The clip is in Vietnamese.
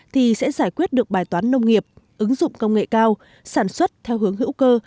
thì sẽ giải quyết được bài toán nông nghiệp ứng dụng công nghệ cao sản xuất theo hướng hữu cơ